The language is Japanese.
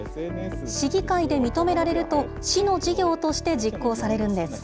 市議会で認められると、市の事業として実行されるんです。